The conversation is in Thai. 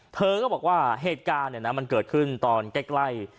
เธอก็บอกว่าเหตุการณ์มันเกิดขึ้นตอนใกล้